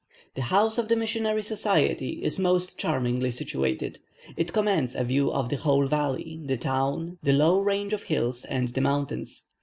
The house of the missionary society is most charmingly situated; it commands a view of the whole valley, the town, the low range of hills, and the mountains.